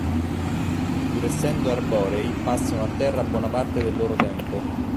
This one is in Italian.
Pur essendo arborei, passano a terra buona parte del loro tempo.